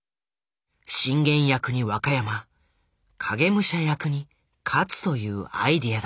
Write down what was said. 信玄役に若山影武者役に勝というアイデアだ。